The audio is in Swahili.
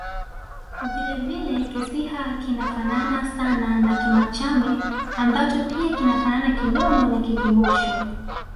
Vile vile Kisiha kinafanana sana na Kimachame ambacho pia kinafanana kidogo na Kikibosho